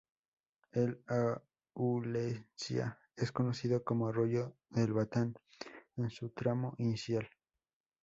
El Aulencia es conocido como arroyo del Batán en su tramo inicial.